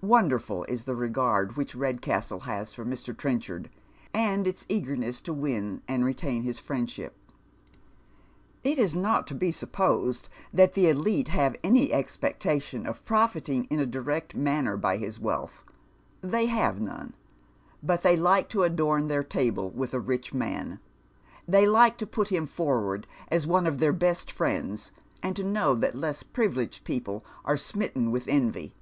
Wonderful is the regard which Redcastle has for Mr. Trenchard, and its eagerness to win and retain his friendship. It is not to be supposed that the elite nave any expectation of pro iilnig in a direct manner by his wealth. They have lione. But they Mke to adorn their table with a rich man. They like to put him forward as one of their best friends, and to know that less privileged people are smitten with envy.